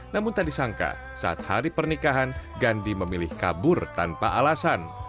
namun tak disangka saat hari pernikahan gandhi memilih kabur tanpa alasan